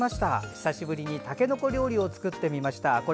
久しぶりに筍料理を作ってみました。